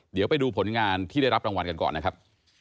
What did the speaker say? เดี๋ยวไปดูผลงานที่ได้รับรางวัลกันก่อนนะครับ